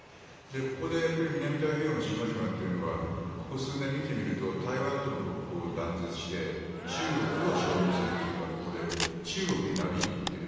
ここで南太平洋の島々というのはここ数年見てみると台湾との国交を断絶して中国を承認するという格好で中国になびいていっている。